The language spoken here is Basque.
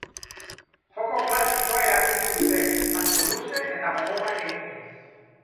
Joko klasikoa erakutsi dute, tanto luze eta gogorrak eginez.